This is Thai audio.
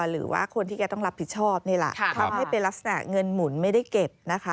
หรือว่าคนที่แกต้องรับผิดชอบนี่แหละทำให้เป็นลักษณะเงินหมุนไม่ได้เก็บนะคะ